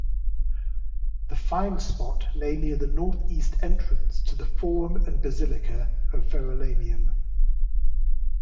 The find-spot lay near the north-east entrance to the forum and basilica of Verulamium.